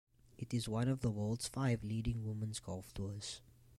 It is one of the world's five leading women's golf tours.